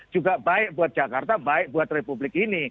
juga baik buat jakarta baik buat republik ini